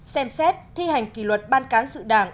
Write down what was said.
xem xét thi hành kỷ luật ban cán sự đảng